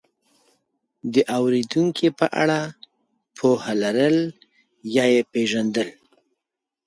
د اورېدونکو په اړه پوهه لرل یا یې پېژندل،